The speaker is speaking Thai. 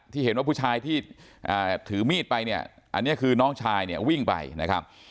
ที่เห็นว่าผู้ชายที่ถือมีดไปเนี่ยอันนี้คือน้องชายเนี่ยวิ่งไปนะครับ